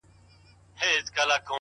• او پسه یې له آزاره وي ژغورلی ,